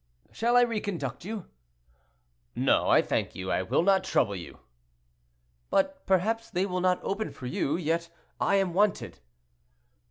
"Shall I re conduct you?" "No, I thank you, I will not trouble you." "But perhaps they will not open for you; yet I am wanted."